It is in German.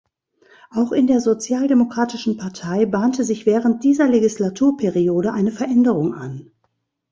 Auch in der sozialdemokratischen Partei bahnte sich während dieser Legislaturperiode eine Veränderung an.